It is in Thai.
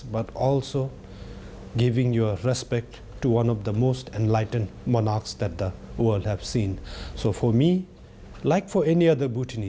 ไม่แค่แสดงสัมพันธ์แต่ก็แสดงสัมภาษณ์